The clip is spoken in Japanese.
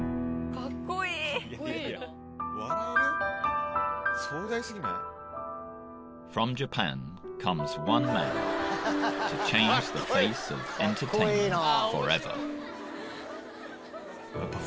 かっこいいなぁ。